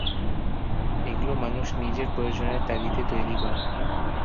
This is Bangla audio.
এগুলো মানুষ নিজের প্রয়োজনের তাগিদে তৈরি করে।